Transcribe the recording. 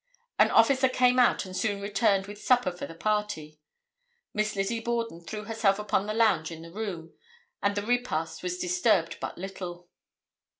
An officer came out and soon returned with supper for the party. Miss Lizzie Borden threw herself upon the lounge in the room, and the repast was disturbed but little.